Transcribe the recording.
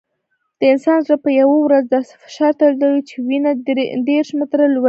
د انسان زړه په یوه ورځ داسې فشار تولیدوي چې وینه دېرش متره لوړېږي.